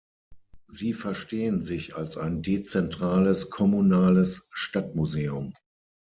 Sie verstehen sich als ein dezentrales kommunales Stadtmuseum.